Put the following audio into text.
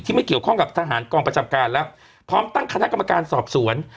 ไม่เกี่ยวข้องกับทหารกองประจำการแล้วพร้อมตั้งคณะกรรมการสอบสวน